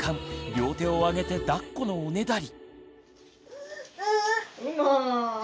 両手を上げてだっこのおねだり。